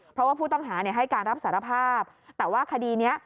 เพราะว่าผู้ต้องหาให้การรับสารภาพแต่ว่าคดีนี้